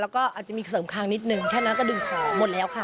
แล้วก็อาจจะมีเสริมคางนิดนึงแค่นั้นก็ดึงของหมดแล้วค่ะ